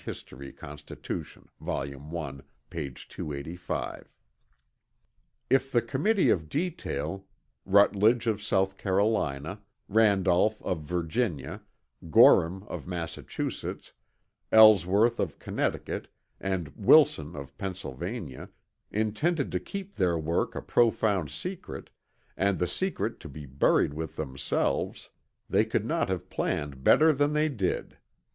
Hist., Constitution Vol. I, p. 285).] If the Committee of Detail Rutledge of South Carolina, Randolph of Virginia, Gorham of Massachusetts, Ellsworth of Connecticut and Wilson of Pennsylvania intended to keep their work a profound secret, and the secret to be buried with themselves, they could not have planned better than they did.